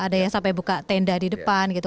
ada yang sampai buka tenda di depan gitu